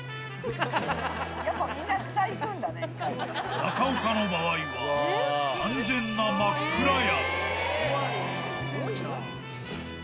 中岡の場合は、完全な真っ暗闇。